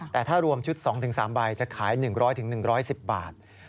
แต่ถ้ารวมชุด๒๓ใบจะขาย๑๐๐๑๑๐บาท